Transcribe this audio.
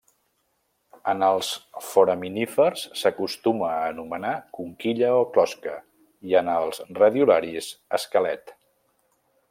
En els foraminífers s'acostuma a anomenar conquilla o closca i en els radiolaris esquelet.